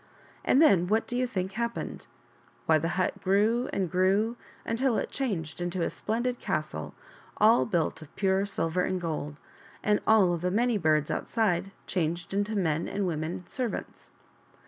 And then what do you think happened ? Why, the hut grew and grew until it changed into a splendid castle all built of pure silver and gold, and all of the many birds outside changed into men and women servants.